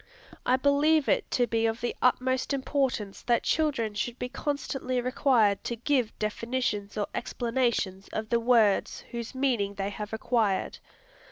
I believe it to be of the utmost importance that children should be constantly required to give definitions or explanations of the words whose meaning they have acquired.